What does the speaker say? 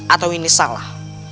atau ini salah